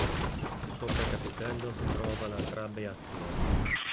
Sopra il capitello si trova la trabeazione.